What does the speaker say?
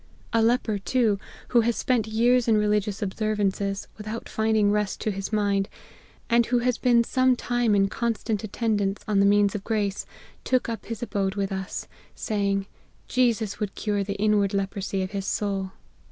" A leper too, who has spent years in religious observances, without finding rest to his mind, and who has been some time in constant attendance on the means of grace, took up his abode with us, saying, Jesus would cure the inward leprosy of his soul.